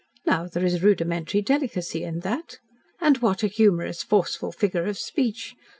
Now, there is rudimentary delicacy in that. And what a humorous, forceful figure of speech!